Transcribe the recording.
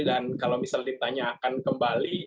dan kalau misalnya ditanya akan kembali